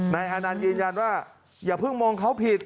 แม้อานานยืนยันว่าอย่าพึ่งมองเขาผิด